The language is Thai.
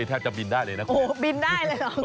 แทบจะบินได้เลยนะคุณแม่